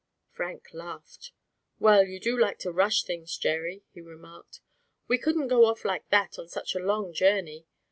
Frank laughed. "Well, you do like to rush things, Jerry," he remarked. "We couldn't go off like that on such a long journey.